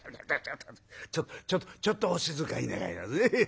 「ちょっとちょっとちょっとお静かに願いますね。